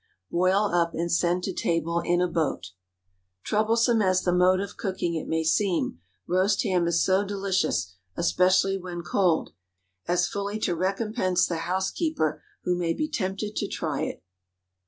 Boil up, and send to table in a boat. Troublesome as the mode of cooking it may seem, roast ham is so delicious—especially when cold—as fully to recompense the housekeeper who may be tempted to try it.